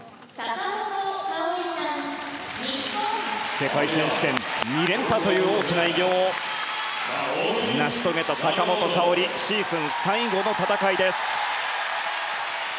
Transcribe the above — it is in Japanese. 世界選手権２連覇という大きな偉業を成し遂げた坂本花織シーズン最後の戦いです。